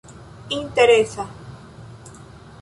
interesa